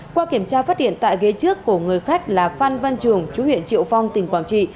qua kiểm tra phát hiện tại ghế trước của người khách là phan văn trường chú huyện triệu phong tỉnh quảng trị